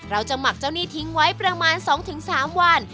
เราจะหมักเจ้านี่ทิ้งไว้ประมาณ๒๓วัน